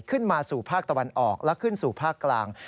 ขึ้นมาสู่ภาคตะวันออกและขึ้นสู่ภาคกลาง